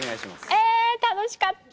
えぇ楽しかった！